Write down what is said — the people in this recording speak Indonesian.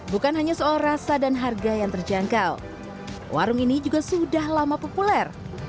bukan hanya soal rasa dan harga yang terjangkau warung ini juga sudah lama populer